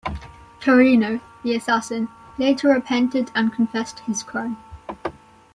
Carino, the assassin, later repented and confessed his crime.